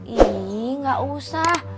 ih gak usah